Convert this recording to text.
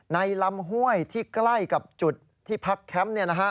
ในลำห้วยที่ใกล้กับจุดที่พักแคมป์นี้นะฮะ